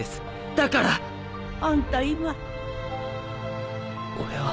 だから！あんた今俺は。